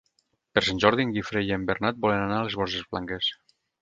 Per Sant Jordi en Guifré i en Bernat volen anar a les Borges Blanques.